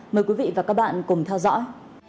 mời quý vị và các bạn cùng theo dõi